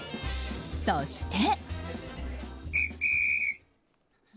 そして。